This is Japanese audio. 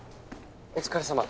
お疲れさま。